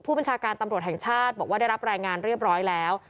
บัญชาการตำรวจแห่งชาติบอกว่าได้รับรายงานเรียบร้อยแล้ว